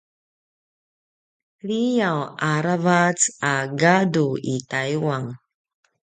liyaw a ravac a gadu i Taiwan